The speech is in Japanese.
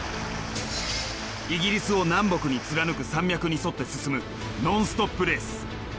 イギリスを南北に貫く山脈に沿って進むノンストップレース。